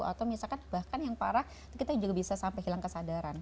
atau misalkan bahkan yang parah kita juga bisa sampai hilang kesadaran